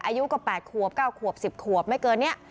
อายุก็๘ขวบ๙ขวบ๑๐ขวบไม่เกินนี้